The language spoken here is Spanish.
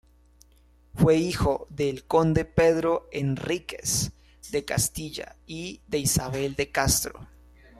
Fue hijo del conde Pedro Enríquez de Castilla y de Isabel de Castro.